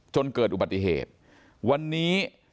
จนเกิดอุบัติเหตุวันนี้